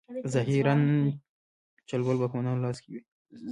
ظاهراً چلول واکمنانو لاس کې وي.